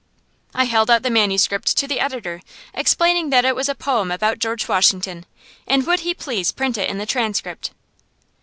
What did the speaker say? I held out the manuscript to the editor, explaining that it was a poem about George Washington, and would he please print it in the "Transcript."